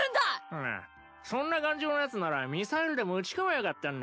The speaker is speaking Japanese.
んあそんな頑丈なやつならミサイルでも撃ち込みゃよかったんだ。